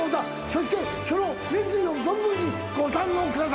そしてその熱意を存分にご堪能ください。